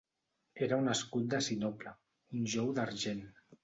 Era un escut de sinople, un jou d'argent.